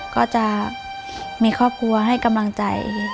ก็จะมีครอบครัวให้กำลังใจ